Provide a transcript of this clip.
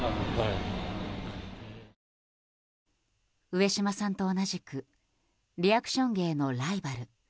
上島さんと同じくリアクション芸のライバル